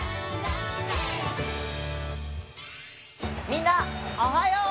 みんなおはよう！